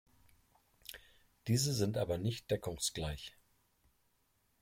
Diese sind aber nicht deckungsgleich.